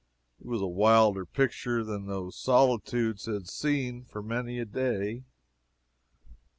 It was a wilder picture than those solitudes had seen for many a day.